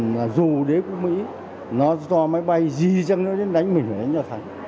mà dù đế quốc mỹ nó do máy bay gì chăng nó đến đánh mình hay đến cho thắng